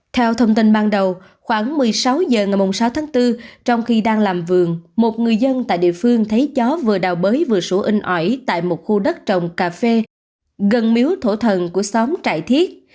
theo thông tin ban đầu khoảng một mươi sáu h ngày sáu tháng bốn trong khi đang làm vườn một người dân tại địa phương thấy chó vừa đào bới vừa sổ in ỏi tại một khu đất trồng cà phê gần miếu thổ thần của xóm trại thiết